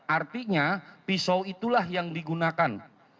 artinya pisau itulah yang digunakan